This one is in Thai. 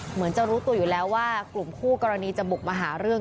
เหมือนจะรู้ตัวอยู่แล้วว่ากลุ่มคู่กรณีจะบุกมาหาเรื่อง